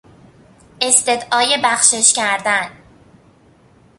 استدعای بخشش کردن